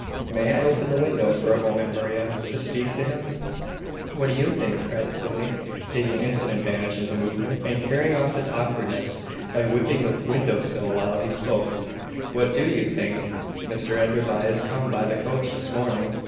"May I open the window for a moment, Maria, to speak to him?" "What do you think?" cried Sydney, taking instant advantage of the movement, and carrying off his awkwardness by whipping the window sill while he spoke. "What do you think? Mr Enderby is come by the coach this morning.